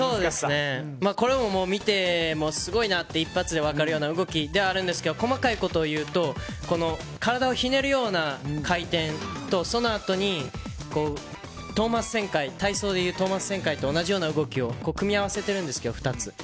これも、見てすごいなって一発で分かるような動きではあるんですけど細かいことを言うと体をひねるような回転とそのあとに体操でいうトーマス旋回と同じような動きを組み合わせてるんですけど、２つ。